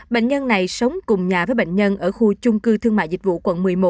bệnh nhân này sống cùng nhà với bệnh nhân ở khu chung cư thương mại dịch vụ quận một mươi một